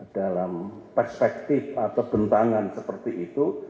dalam perspektif atau bentangan seperti itu